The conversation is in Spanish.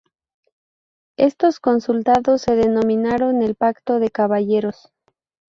Estos consultados se denominaron "el pacto de caballeros".